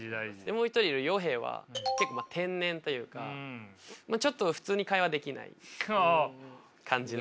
もう一人いるＹＯＨＥは結構天然というかちょっと普通に会話できない感じの。